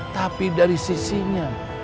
tapi dari sisinya